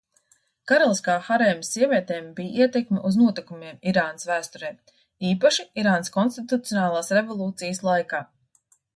Karaliskā harēma sievietēm bija ietekme uz notikumiem Irānas vēsturē, īpaši Irānas konstitucionālās revolūcijas laikā.